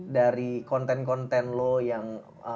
dari konten konten lo yang